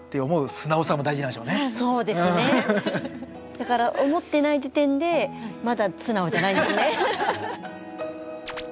だから思ってない時点でまだ素直じゃないんですね。